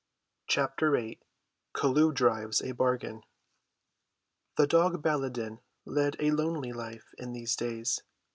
CHAPTER VIII CHELLUH DRIVES A BARGAIN The dog, Baladan, led a lonely life in these days.